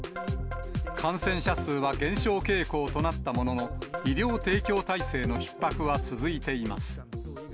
感染者数は減少傾向となったものの、医療提供体制のひっ迫は続いています。